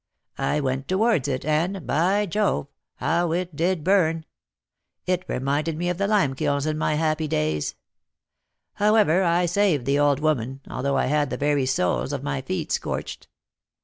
I went towards it, and, by Jove! how it did burn; it reminded me of the lime kilns in my happy days. However, I saved the old woman, although I had the very soles of my feet scorched.